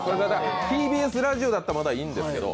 ＴＢＳラジオだったら、まだいいんですけど。